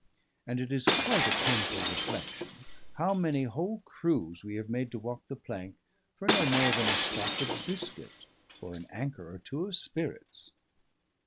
and it is quite a painful reflection how many whole crews we have made to walk the plank for no more than a stock of biscuit or an anker or two of spirits.